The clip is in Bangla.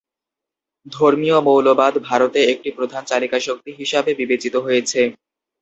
ধর্মীয় মৌলবাদ ভারতে একটি প্রধান চালিকা শক্তি হিসাবে বিবেচিত হয়েছে।